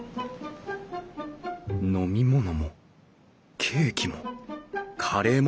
飲み物もケーキもカレーも何だか